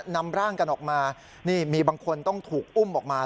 นำร่างกันออกมานี่มีบางคนต้องถูกอุ้มออกมา